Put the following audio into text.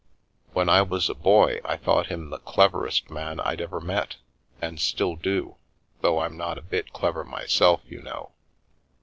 When I was a boy, I thought him the cleverest man I'd ever met, and do still, though I'm not a bit clever myself, you know.